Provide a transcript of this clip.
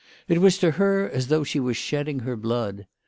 It was to her as though she were shedding her blood.